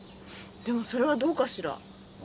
でもそれはどうかしら？